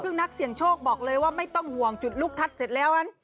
ซึ่งนักเสี่ยงโชคบอกเลยว่าไม่ต้องห่วงจุดลูกทัศน์เสร็จแล้วนั้น